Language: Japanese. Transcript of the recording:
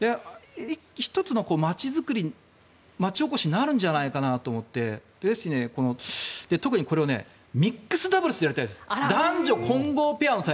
１つの町おこしになるんじゃないかなと思って特にこれをミックスダブルスでやりたいです。